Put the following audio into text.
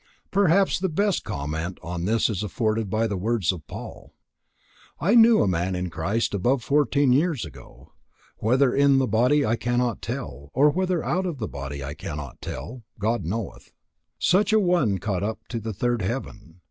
Perhaps the best comment on this is afforded by the words of Paul: "I knew a man in Christ above fourteen years ago, (whether in the body, I cannot tell; or whether out of the body, I cannot tell: God knoweth;) such a one caught up to the third heaven.